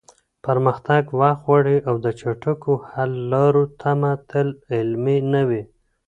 پرمختګ وخت غواړي او د چټکو حل لارو تمه تل عملي نه وي.